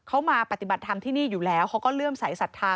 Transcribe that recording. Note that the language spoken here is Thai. เขามาปฏิบัติธรรมที่นี่อยู่แล้วเขาก็เลื่อมสายศรัทธา